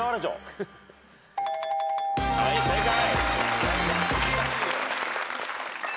はい正解。